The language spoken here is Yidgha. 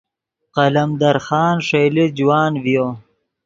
قلمدر خان ݰئیلے جوان ڤیو